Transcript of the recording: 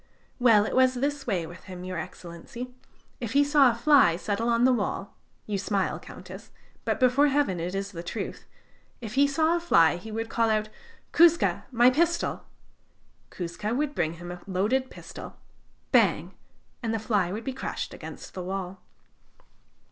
"Well, it was this way with him, Your Excellency: if he saw a fly settle on the wall you smile, Countess, but, before Heaven, it is the truth if he saw a fly, he would call out: 'Kouzka, my pistol!' Kouzka would bring him a loaded pistol bang! and the fly would be crushed against the wall."